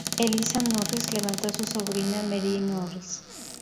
Eliza Norris levantó su sobrina, Mary Norris.